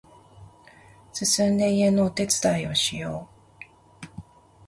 すすんで家のお手伝いをしよう